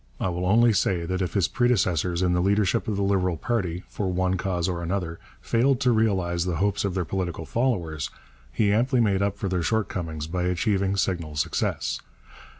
I will only say that if his predecessors in the leadership of the Liberal party, for one cause or another, failed to realize the hopes of their political followers, he amply made up for their shortcomings by achieving signal success.